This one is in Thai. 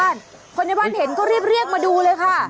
เห็นครับคนในบ้านเห็นก็เรียบเรียกมาดูเลยค่ะ